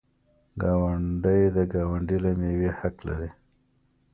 ګاونډی د ګاونډي له میوې حق لري.